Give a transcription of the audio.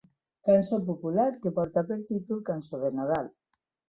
Cançó popular que porta per títol Cançó de Nadal